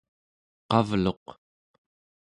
qavluq